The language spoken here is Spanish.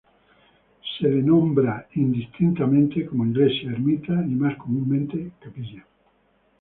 Es referida indistintamente como Iglesia, Ermita y más comúnmente, Capilla.